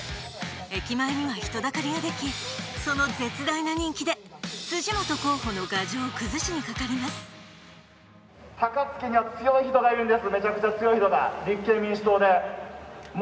駅前には人だかりができ、その絶大な人気で辻元候補の牙城を崩しにかかります。